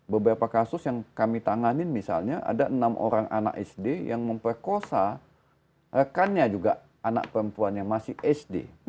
beberapa kasus yang kami tanganin misalnya ada enam orang anak sd yang memperkosa rekannya juga anak perempuan yang masih sd